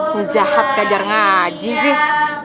penjahat ke ajar ngaji sih